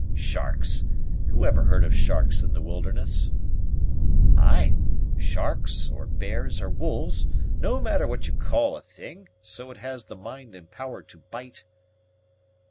"Sharks! Who ever heard of sharks in the wilderness?" "Ay! Sharks, or bears, or wolves no matter what you call a thing, so it has the mind and power to bite."